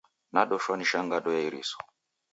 Nadoshwa ni shangagho ya iriso.